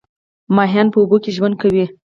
کبان په اوبو کې ژوند کوي